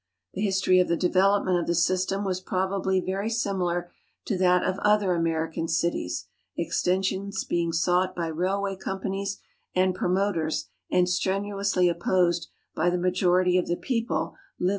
The history of the development of tlie system was prolial.ly vt ry similar to that of other American cities, extensions hein^ sou^rht l»y mil way companies and promoters and strenuously opposed hy the majorilv of the people livin.